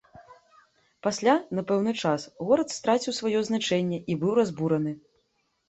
Пасля, на пэўны час, горад страціў сваё значэнне і быў разбураны.